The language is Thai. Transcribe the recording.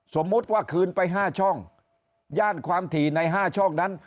สมมุติว่าคืนไป๕ช่องย่านความถี่ใน๕ช่องนั้น